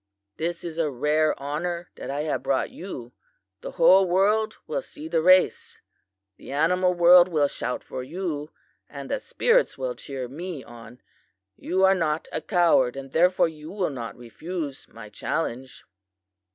This is a rare honor that I have brought you. The whole world will see the race. The animal world will shout for you, and the spirits will cheer me on. You are not a coward, and therefore you will not refuse my challenge.